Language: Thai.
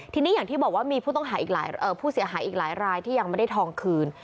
ทีนี้อย่างที่บอกว่ามีผู้เสียหายอีกหลายรายที่ยังไม่ได้ทองคืน